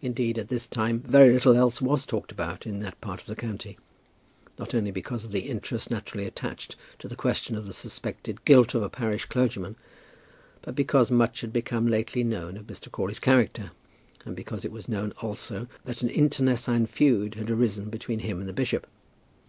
Indeed, at this time, very little else was talked about in that part of the county; not only because of the interest naturally attaching to the question of the suspected guilt of a parish clergyman, but because much had become lately known of Mr. Crawley's character, and because it was known also that an internecine feud had arisen between him and the bishop.